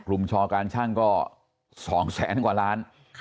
กลุ่มชอบรรช่างก็สองแสนกว่าร้าน